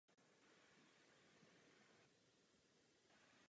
V přízemí domu byly od jeho postavení vždy obchodní prostory.